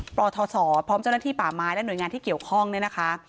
ปทศพร้อมเจ้าหน้าที่ป่าไม้และหน่วยงานที่เกี่ยวข้องเนี่ยนะคะ